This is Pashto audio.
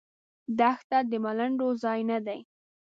دښته د ملنډو ځای نه دی.